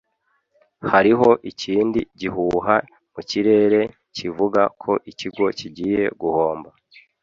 hariho ikindi gihuha mu kirere kivuga ko ikigo kigiye guhomba